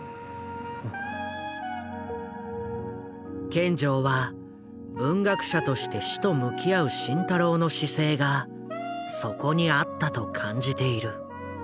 見城は文学者として死と向き合う慎太郎の姿勢がそこにあったと感じている。